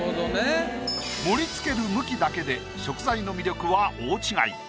盛り付ける向きだけで食材の魅力は大違い。